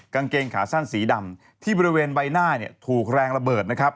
กางเกงขาสั้นสีดำที่บริเวณใบหน้าเนี่ยถูกแรงระเบิดนะครับ